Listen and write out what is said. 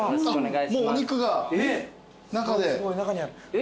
もうお肉が中で。